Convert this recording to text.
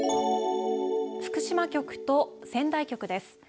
福島局と仙台局です。